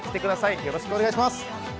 よろしくお願いします。